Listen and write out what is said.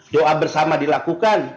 doa bersama dilakukan